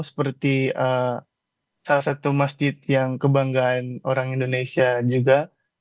seperti salah satu masjid yang kebanggaan orang indonesia juga